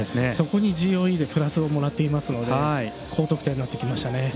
そこにＧＯＥでプラスをもらっていますので高得点になってきましたね。